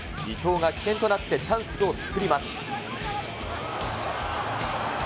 伊東が起点となって、チャンスを作ります。